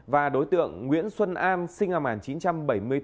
và đối tượng nguyễn xuân an sinh năm một nghìn chín trăm bảy mươi bốn